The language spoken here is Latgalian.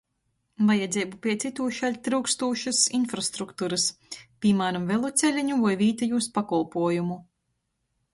Vajadzeibu piec itūšaļt tryukstūšys infrastrukturys, pīmāram, veloceleņu voi vītejūs pakolpuojumu.